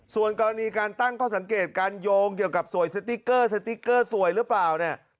ส่วนกรณีการตั้งข้อสังเกตการโยงเกี่ยวกับสวยสติ๊กเกอร์สติ๊กเกอร์สวยหรือเปล่าเนี่ย